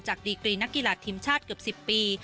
จากดีกีนักกี๖๐๐จากทีมชาติเกือบสิบปี